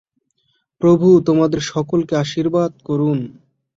প্রভু তোমাদের সকলকে আশীর্বাদ করুন।